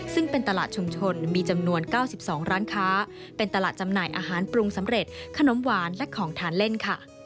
ซึ่งเป็นตลาดชุมชนมีจำนวน๙๒ร้านค้าเป็นตลาดจำหน่ายอาหารปรุงสำเร็จขนมหวานและของทานเล่นค่ะ